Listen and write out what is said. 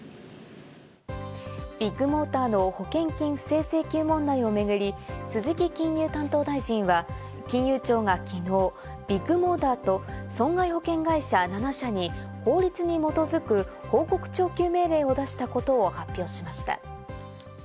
ビッグモーターの保険金不正請求問題を巡り、鈴木金融担当大臣は金融庁がきのうビッグモーターと損害保険会社７社に法律に基づく報告徴求命令を出したことを発表しました。